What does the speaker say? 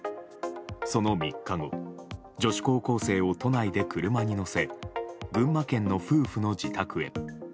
その３日後、女子高校生を都内で車に乗せ群馬県の夫婦の自宅へ。